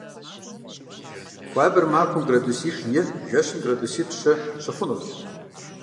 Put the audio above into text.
Хуабэр махуэм градусих – и, жэщым градуситӏ - щы щыхъунущ.